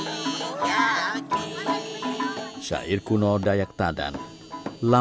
untuk mendisikkan pertimbangan pembangunan terhadap wilayah al tadan dan